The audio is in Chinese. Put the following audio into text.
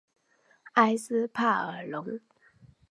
埃斯帕尔龙。